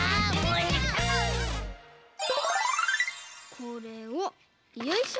これをよいしょ！